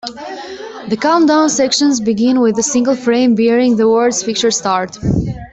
The countdown section begins with a single frame bearing the words Picture Start.